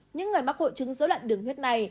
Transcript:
những người mắc hội chứng dối loạn đường huyết này